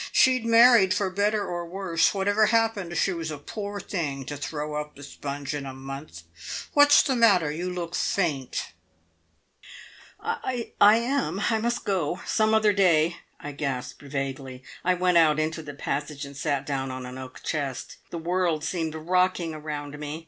She'd married for better or worse. Whatever happened, she was a poor thing to throw up the sponge in a month. What's the matter? You look faint." "I I am! I must go. Some other day," I gasped vaguely. I went out into the passage, and sat down on an oak chest. The world seemed rocking around me.